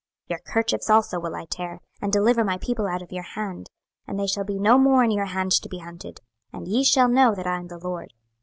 26:013:021 Your kerchiefs also will I tear, and deliver my people out of your hand, and they shall be no more in your hand to be hunted; and ye shall know that I am the LORD.